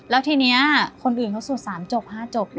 แล้วทีนี้คนอื่นเขาสวด๓จบ๕จบ